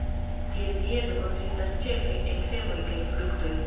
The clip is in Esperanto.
Ties dieto konsistas ĉefe el semoj kaj fruktoj.